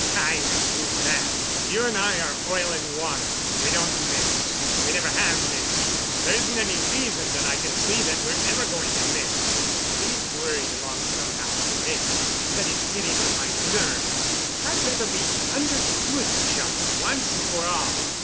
Time has proved that. You and I are oil and water. We don't mix. We never have mixed. There isn't any reason that I can see that we're ever going to mix. We've worried along somehow, to date, but it's getting on my nerves. I'd rather we understood each other once and for all.